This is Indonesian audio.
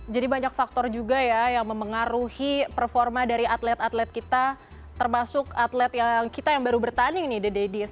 jadi banyak faktor juga ya yang memengaruhi performa dari atlet atlet kita termasuk atlet yang kita yang baru bertanding nih the daddies